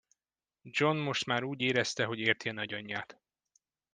John most már úgy érezte, hogy érti a nagyanyját.